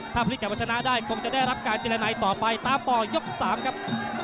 ถ้าพลิกกับวัชนะได้คงจะได้รับการเจรนัยต่อไปตามต่อยก๓ครับ